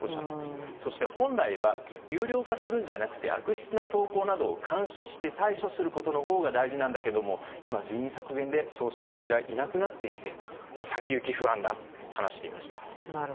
そして、本来は有料化するんじゃなくて悪質な投稿などを監視して対処することのほうが大事なんだけども今、人員削減で、そうした人材がいなくなっていて先行きが不安だと話していました。